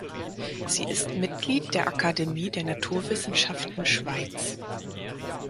Sie ist Mitglied der Akademie der Naturwissenschaften Schweiz.